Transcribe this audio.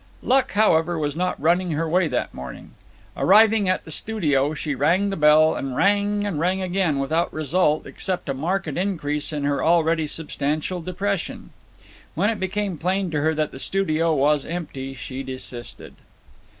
Luck, however, was not running her way that morning. Arriving at the studio, she rang the bell, and rang and rang again without result except a marked increase in her already substantial depression. When it became plain to her that the studio was empty she desisted.